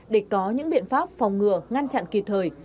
để có những biện pháp phòng ngừa ngăn chặn kịp thời